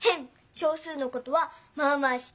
小数のことはまあまあ知ってるから！